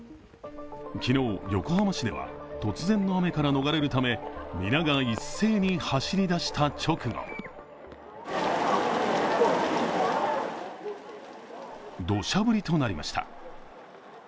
昨日、横浜市では突然の雨から逃れるため皆が一斉に走りだした直後どしゃ降りとなりました。